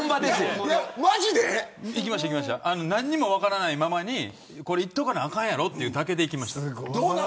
何も分からないままに行っとかないと、あかんやろというだけで見にいきました。